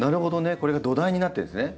これが土台になってるんですね